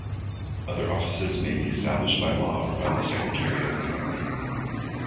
Other offices may be established by law or by the Secretary of the Army.